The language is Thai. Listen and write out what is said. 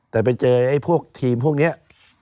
แต่ไปเจอพวกทีมพวกเนี่ย